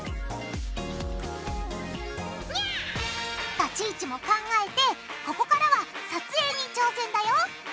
立ち位置も考えてここからは撮影に挑戦だよ。